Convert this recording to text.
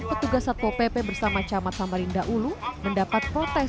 petugas satpol pp bersama camat samarinda ulu mendapat protes